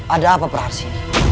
ada apa prahasi